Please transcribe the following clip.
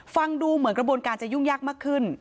ฟังดูเหมือนกระบวนการจะยุ่งยากมากขึ้น